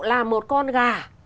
là một con gà